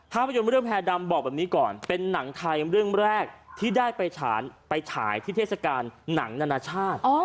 ภาพยนตร์เรื่องแพร่ดำบอกแบบนี้ก่อนเป็นหนังไทยเรื่องแรกที่ได้ไปฉายที่เทศกาลหนังนานาชาติ